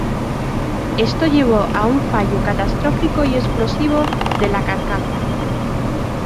Esto llevó a un fallo catastrófico y explosivo de la carcasa.